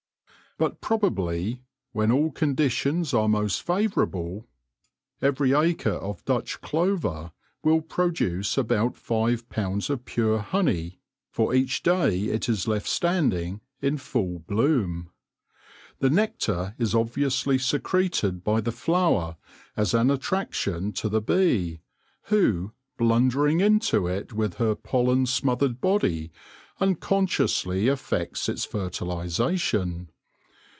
But probably, when all conditions are most favourable, every acre of Dutch clover will WHERE THE BEE SUCKS 157 produce about five pounds of pure honey for each day it is left standing in full bloom. The nectar is obviously secreted by the flower as an attraction to the bee, who, blundering into it with her pollen smothered body, unconsciously effects its fertilisation.